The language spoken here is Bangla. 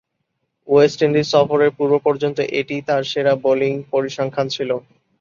ওয়েস্ট ইন্ডিজ সফরের পূর্ব-পর্যন্ত এটিই তার সেরা বোলিং পরিসংখ্যান ছিল।